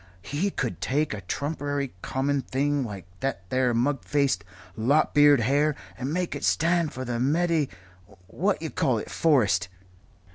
"He could take a trumpery common thing like that there mug faced, lop eared hare and make it stand for the medi what you call it forest.